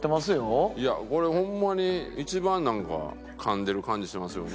いやこれホンマに一番なんかかんでる感じしますよね。